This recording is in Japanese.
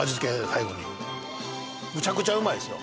最後にむちゃくちゃうまいですよ